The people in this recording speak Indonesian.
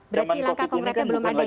berarti langkah konkretnya belum ada ya